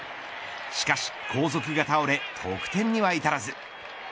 しかし後続が倒れ得点には至らず。